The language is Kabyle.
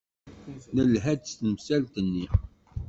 Nelha-d s temsalt-nni.